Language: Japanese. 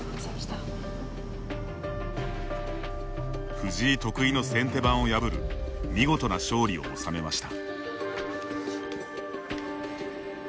藤井得意の先手番を破る見事な勝利を収めました。